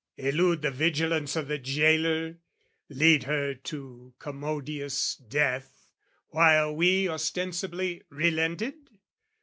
elude the vigilance O' the jailor, lead her to commodious death, While we ostensibly relented?